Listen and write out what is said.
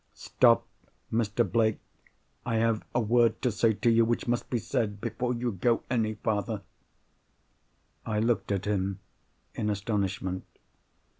"Stop, Mr. Blake. I have a word to say, which must be said before you go any farther." I looked at him in astonishment.